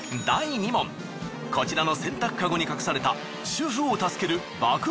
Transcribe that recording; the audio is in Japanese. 第２問こちらの洗濯カゴに隠された主婦を助ける爆